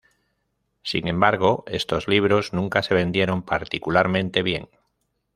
Sin embargo, estos libros nunca se vendieron particularmente bien.